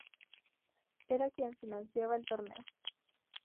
Era quien financiaba el torneo.